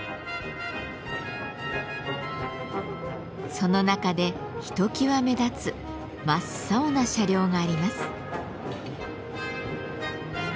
その中でひときわ目立つ真っ青な車両があります。